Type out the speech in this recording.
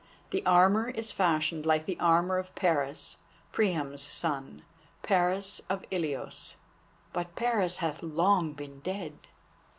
The armour is fashioned like the armour of Paris, Priam's son—Paris of Ilios; but Paris hath long been dead."